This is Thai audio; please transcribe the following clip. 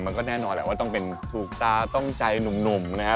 มันก็แน่นอนแหละว่าต้องเป็นถูกตาต้องใจหนุ่มนะครับ